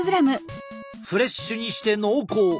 フレッシュにして濃厚！